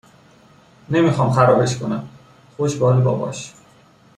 نمیخوام خرابش کنم. خوش به حال باباش